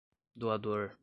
doador